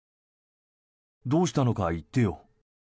どうしたのか言ってよ。